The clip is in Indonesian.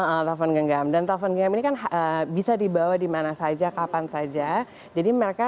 iya telepon genggam dan telepon genggam ini kan bisa dibawa dimana saja kapan saja